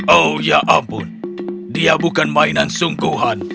oh ya ampun dia bukan mainan sungguhan